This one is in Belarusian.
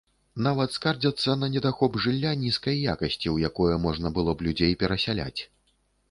Нават скардзяцца на недахоп жылля нізкай якасці, у якое можна было б людзей перасяляць.